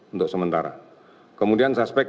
untuk sementara kemudian suspek